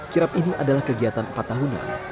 kirap ini adalah kegiatan empat tahunan